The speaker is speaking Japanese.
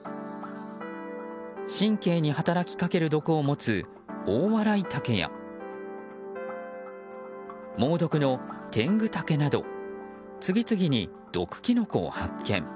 神経に働きかける毒を持つオオワライタケや猛毒のテングタケなど次々に毒キノコを発見。